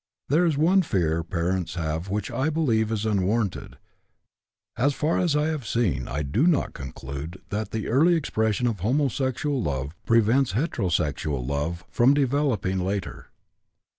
"There is one fear parents have which I believe is unwarranted. As far as I have seen, I do not conclude that the early expression of homosexual love prevents heterosexual love from developing later.